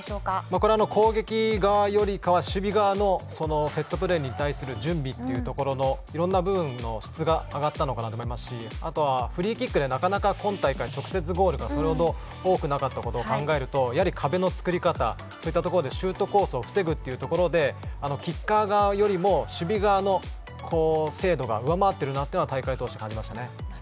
これは攻撃側よりかは守備側のセットプレーに対する準備というところのいろんな部分の質が上がったんだと思いますしあとはフリーキックでなかなか今大会、直接ゴールがそれほど多くなかったことを考えるとやはり壁の作り方そういったところでシュートコースを防ぐということでキッカー側よりも守備側の精度が上回っているというのは大会を通して感じましたね。